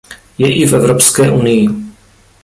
Je i v Evropské unii.